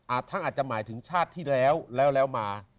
อาจจะหมายถึงชาติที่แล้วแล้วแล้วมา